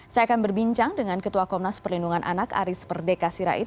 saya akan berbincang dengan ketua komnas perlindungan anak aris perdeka sirait